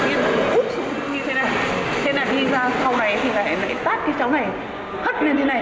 úp xuống như thế này thế này đi ra sau này thì lại tắt cái cháu này hất lên như thế này